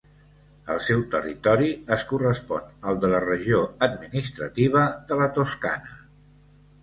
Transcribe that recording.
El seu territori es correspon al de la regió administrativa de la Toscana.